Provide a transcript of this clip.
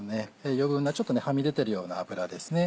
余分なちょっとはみ出てるような脂ですね。